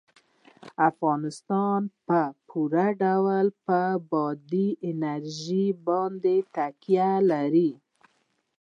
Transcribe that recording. افغانستان په پوره ډول په بادي انرژي باندې تکیه لري.